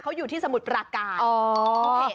เขาอยู่ที่สมุทรปราการ